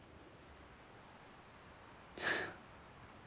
フッ。